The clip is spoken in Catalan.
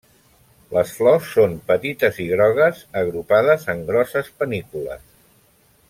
Les flors són petites i grogues agrupades en grosses panícules.